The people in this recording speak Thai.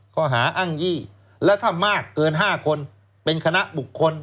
ข้อหาอ้างยี่และถ้ามากเกิน๕คนเป็นคณะบุคคล